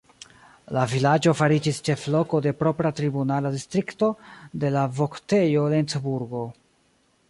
La vilaĝo fariĝis ĉefloko de propra tribunala distrikto de la voktejo Lencburgo.